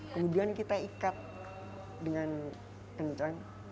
kemudian kita ikat dengan kencang